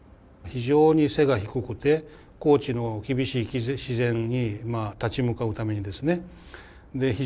非常に背が低くて高地の厳しい自然に立ち向かうためにですねで